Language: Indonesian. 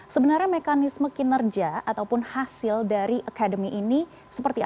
sebenarnya mekanisme kinerja ataupun hasil dari akademi ini seperti apa